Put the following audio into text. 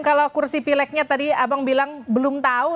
kalau kursi pileknya tadi abang bilang belum tahu